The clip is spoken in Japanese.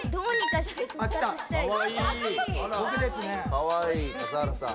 かわいい笠原さん。